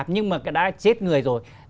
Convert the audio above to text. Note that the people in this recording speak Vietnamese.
nhưng mà đã chết người rồi